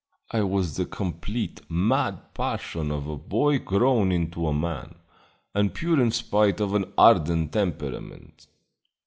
It was the complete, mad passion of a boy grown into a man, and pure in spite of an ardent temperament.